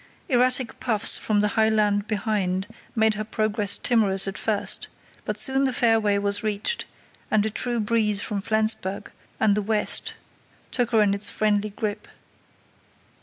Erratic puffs from the high land behind made her progress timorous at first, but soon the fairway was reached and a true breeze from Flensburg and the west took her in its friendly grip.